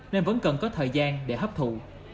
nên vẫn cần có thời gian để hấp thụ